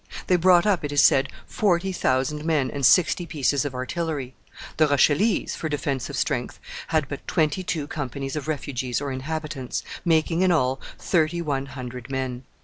They brought up, it is said, forty thousand men and sixty pieces of artillery. The Rochellese, for defensive strength, had but twenty two companies of refugees or inhabitants, making in all thirty one hundred men.